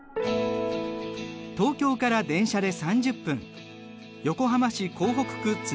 東京から電車で３０分横浜市港北区綱島。